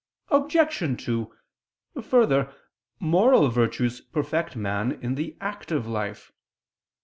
Obj. 2: Further, moral virtues perfect man in the active life.